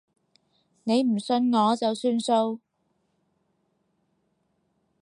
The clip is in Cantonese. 你唔信我就算數